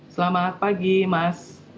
selamat pagi mas